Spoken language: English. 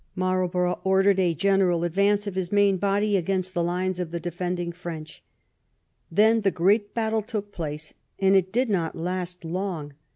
Marlborough ordered a general advance of his main body against the lines of the defending French. Then the great battle took place, and it did not last long.